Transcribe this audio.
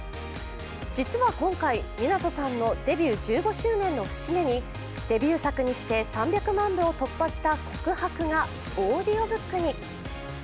実は今回、湊さんのデビュー１５周年の節目にデビュー作にして３００万部を突破した「告白」がオーディオブックに。